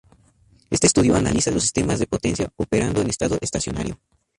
Este estudio analiza los sistemas de potencia operando en estado estacionario.